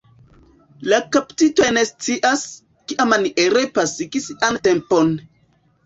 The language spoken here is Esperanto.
La kaptitoj ne scias, kiamaniere pasigi sian tempon.